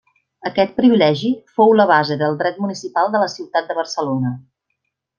Aquest privilegi fou la base del dret municipal de la ciutat de Barcelona.